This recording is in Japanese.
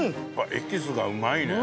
エキスがうまいね。